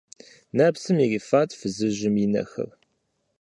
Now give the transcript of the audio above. Нэпсым ирифат фызыжьым и нэхэр.